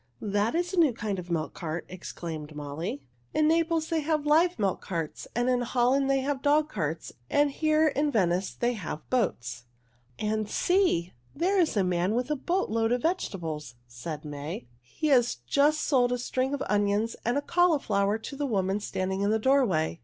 "That is a new kind of milk cart," exclaimed Molly. "In Naples they have live milk carts, and in Holland they have dog carts, and here in Venice they have boats." "And see! There is a man with a boat load of vegetables," said May. "He has just sold a string of onions and a cauliflower to the woman standing in the doorway.